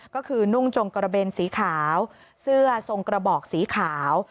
ก็คือนุ่งจงกระเบนสีขาวเสื้อทรงกระบอกสีขาว